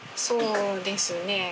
そうですね。